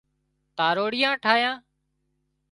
تاروڙيئان ٺاهيان